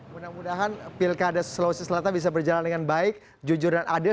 mudah mudahan pilkada sulawesi selatan bisa berjalan dengan baik jujur dan adil